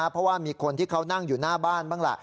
เพราะว่ามีคนที่เขานั่งอยู่หน้าบ้านบ้างล่ะ